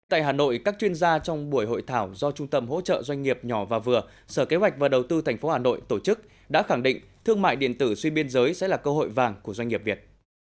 tại hà nội các chuyên gia trong buổi hội thảo do trung tâm hỗ trợ doanh nghiệp nhỏ và vừa sở kế hoạch và đầu tư tp hà nội tổ chức đã khẳng định thương mại điện tử suy biên giới sẽ là cơ hội vàng của doanh nghiệp việt